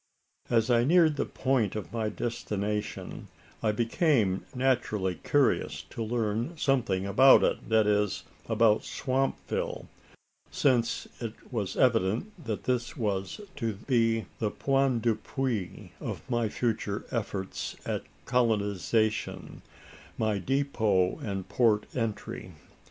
As I neared the point of my destination, I became naturally curious to learn something about it that is, about Swampville since it was evident that this was to be the point d'appui of my future efforts at colonisation my depot and port entry.